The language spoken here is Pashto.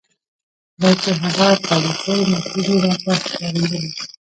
بلکې هغه پالیسۍ معقولې راته ښکارېدلې.